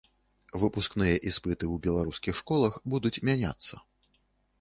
Выпускныя іспыты ў беларускіх школах будуць мяняцца.